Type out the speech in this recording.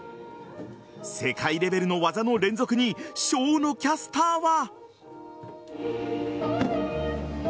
世界レベルの技の連続に生野キャスターは。